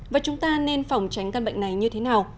và chúng ta nên phòng tránh căn bệnh này như thế nào